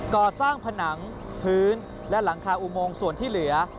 ก่อสร้างผนังพื้นและหลังคาอุโมงส่วนที่เหลือ